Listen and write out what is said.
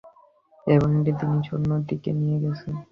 এবং একটি জিনিস অন্য দিকে নিয়ে গেছে।